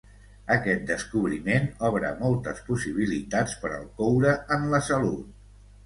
Aquest descobriment obre moltes possibilitats per al coure en la salut.